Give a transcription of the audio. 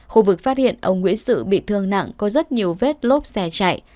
khu vực phát hiện ông nguyễn sự bị thương nặng có rất nhiều vết lốp xe chạy